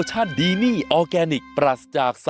สวัสดีครับ